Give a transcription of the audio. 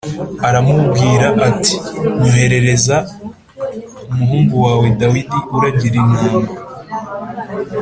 aramubwira ati “Nyoherereza umuhungu wawe Dawidi uragira intama.”